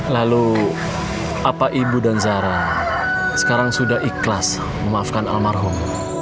lalu apa ibu dan zara sekarang sudah ikhlas memaafkan almarhum